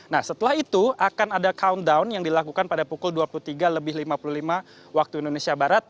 nah setelah itu akan ada countdown yang dilakukan pada pukul dua puluh tiga lebih lima puluh lima waktu indonesia barat